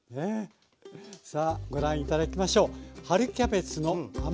さあご覧頂きましょう。